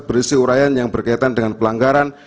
berisi urayan yang berkaitan dengan pelanggaran